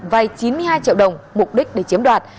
vay chín mươi hai triệu đồng mục đích để chiếm đoạt